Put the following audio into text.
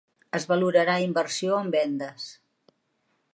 Es valorarà inversió en vendes.